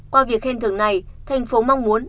qua việc khen thưởng này thành phố mong muốn